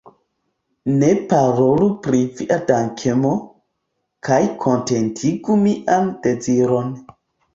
Ne parolu pri via dankemo, kaj kontentigu mian deziron.